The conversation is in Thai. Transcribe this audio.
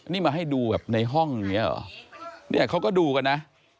นี่มาให้ดูแบบในห้องอย่างนี้เขาก็ดูกันนะ